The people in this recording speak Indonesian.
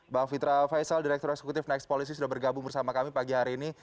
bang fitra faisal direktur eksekutif next policy sudah bergabung bersama kami pagi hari ini